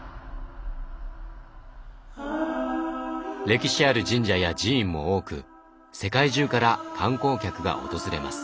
歴史ある神社や寺院も多く世界中から観光客が訪れます。